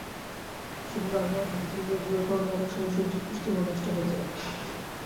শুধু রান্নার পদ্ধতিতে ভুলের কারণে অনেক সময় সবজির পুষ্টিমান নষ্ট হয়ে যায়।